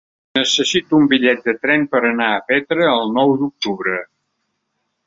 Necessito un bitllet de tren per anar a Petra el nou d'octubre.